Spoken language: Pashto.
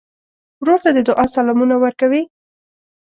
ورور ته د دعا سلامونه ورکوې.